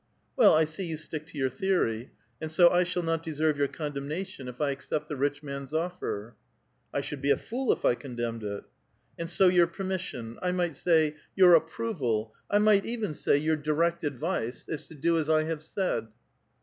" Well, 1 see you stick to your theory. And so I shall not deserve your condemnation, if I accept the rich man's offer?" " I should be a fool if I condemned it." " And so your permission, — I might say, your approval A VITAL QUESTION. 89 — I might even say, your direct advice — is to do as I have said